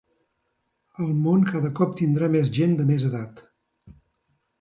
El món cada cop tindrà més gent de més edat